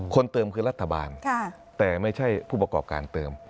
คนเติมคือรัฐบาลแต่ไม่ใช่ผู้ประกอบการเติม